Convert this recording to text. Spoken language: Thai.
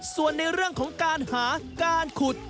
ส่วนในเรื่องของการหาการขุด